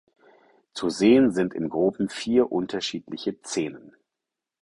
Zu sehen sind im Groben vier unterschiedliche Szenen.